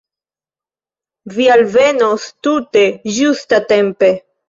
Vi alvenos tute ĝustatempe.